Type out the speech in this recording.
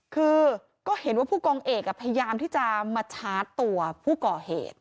คือก็เห็นว่าผู้กองเอกพยายามที่จะมาชาร์จตัวผู้ก่อเหตุ